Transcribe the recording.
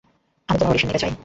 আমি তোমার অডিশন নিতে চাই।